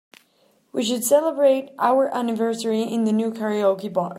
We should celebrate our anniversary in the new karaoke bar.